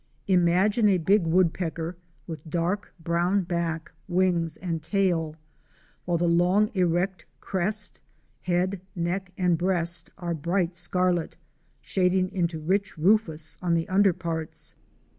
Imagine a big Woodpecker with close kin to our Ivory bill dark brown back, wings and tail, while the long erect crest, head, neck and breast are bright scarlet, shading into rich rufous on the under parts!